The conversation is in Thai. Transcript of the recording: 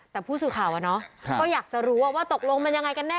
แต่ผู้สื่อข่าวก็อยากจะรู้ว่าตกลงมันยังไงกันแน่